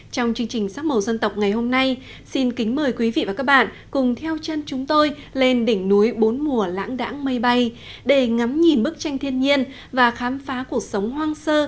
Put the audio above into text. trong chương trình sắc màu dân tộc ngày hôm nay xin kính mời quý vị và các bạn cùng theo chân chúng tôi lên đỉnh núi bốn mùa lãng đẳng mây bay để ngắm nhìn bức tranh thiên nhiên và khám phá cuộc sống hoang sơ